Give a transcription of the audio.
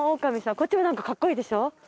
こっちもなんかかっこいいでしょ？